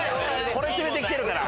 コレ連れてきてるから。